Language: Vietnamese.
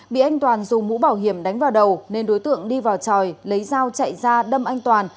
bị anh toàn dùng mũ bảo hiểm đánh vào đầu nên đối tượng đi vào tròi lấy dao chạy ra đâm anh toàn